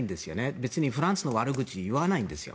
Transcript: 別にフランスの悪口を言わないんですよ。